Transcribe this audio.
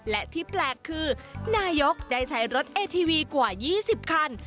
และที่แปลกคือนายกได้ใช้รถเอทีวีกว่า๒๐คัน